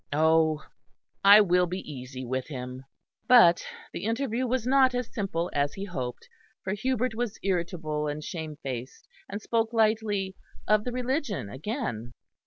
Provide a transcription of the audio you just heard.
Oh! I will be easy with him." But the interview was not as simple as he hoped; for Hubert was irritable and shamefaced; and spoke lightly of the Religion again.